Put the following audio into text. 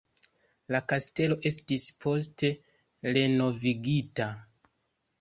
La kastelo estis poste renovigita.